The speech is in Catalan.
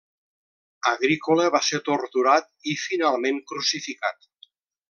Agrícola va ser torturat i, finalment, crucificat.